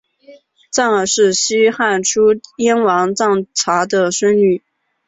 臧儿是西汉初燕王臧荼的孙女。